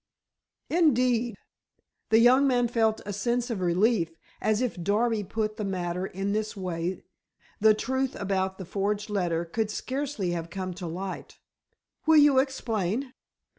"Indeed," the young man felt a sense of relief, as if Darby put the matter in this way the truth about the forged letter could scarcely have come to light, "will you explain?"